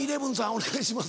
お願いします。